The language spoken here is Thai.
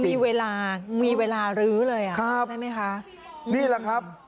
มีเวลามีเวลารื้อเลยอ่ะครับใช่ไหมคะนี่แหละครับ